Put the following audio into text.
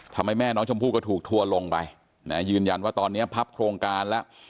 แม่น้องชมพู่ก็ถูกทัวร์ลงไปยืนยันว่าตอนนี้พับโครงการแล้ว